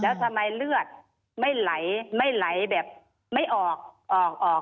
แล้วทำไมเลือดไม่ไหลไม่ไหลแบบไม่ออกออก